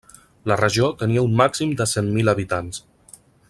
La regió tenia un màxim de cent mil habitants.